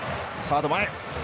サード前。